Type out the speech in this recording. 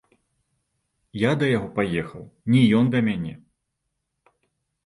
Я да яго паехаў, не ён да мяне!